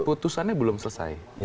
putusannya belum selesai